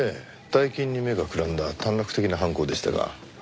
大金に目がくらんだ短絡的な犯行でしたが。